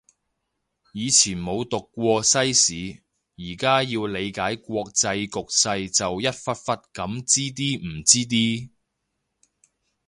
以前冇讀過西史，而家要理解國際局勢就一忽忽噉知啲唔知啲